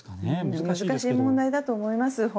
難しい問題だと思います。